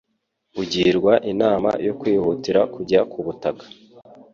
ugirwa inama yo kwihutira kujya ku butaka